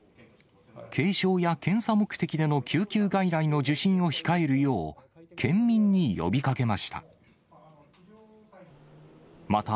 軽症や検査目的での救急外来の受診を控えるよう、県民に呼びかけました。